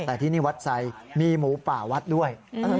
แต่ที่นี่วัดไซมีหมูป่าวัดด้วย